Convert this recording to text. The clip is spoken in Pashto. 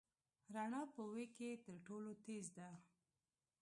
رڼا په وېګ کې تر ټولو تېز ده.